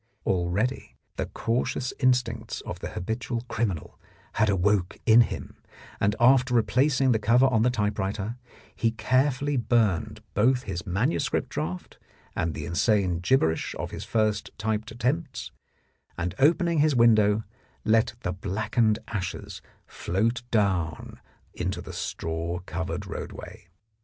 Already the cautious instincts of the habitual criminal had awoke in him, and after replacing the cover on the typewriter he carefully burned both his manuscript draft and the insane gibberish of his first typed attempts, and opening his window let the blackened ashes float down into the straw covered roadway.